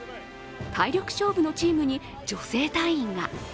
体力勝負のチームに女性隊員が。